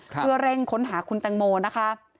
เพื่อเร่งค้นหาคุณแตงโมนะคะ